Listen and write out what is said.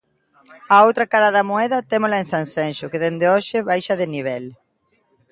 A outra cara da moeda témola en Sanxenxo, que dende hoxe baixa de nivel.